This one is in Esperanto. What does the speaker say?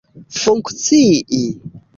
funkcii